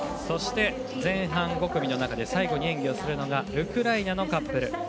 そして、前半５組の中で最後に演技をするのがウクライナのカップル。